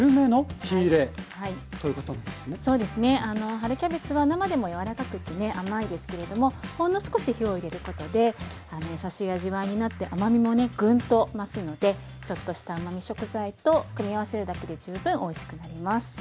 春キャベツは生でも柔らかくてね甘いですけれどもほんの少し火を入れることで優しい味わいになって甘みもねぐんと増すのでちょっとしたうまみ食材と組み合わせるだけで十分おいしくなります。